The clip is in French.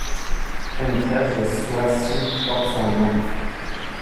Une crèche de Soisy porte son nom.